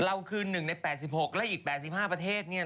เราคือหนึ่งใน๘๖แล้วอีก๘๕ประเทศล่ะ